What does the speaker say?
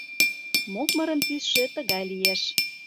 — Мокмырын тӱсшӧ тыгай лиеш.